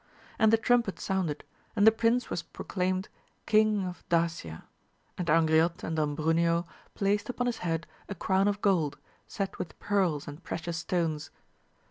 And the trumpet sounded, and the prince was proclaimed 278 AMADIS OF GAUL. King of Dacia, and Angriote and Don Bruneo placed upon his head a crown of gold, set with pearls and precious stones.